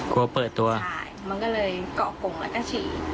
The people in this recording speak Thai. กลัวเปิดตัวใช่มันก็เลยเกาะกลุ่มแล้วก็ฉี่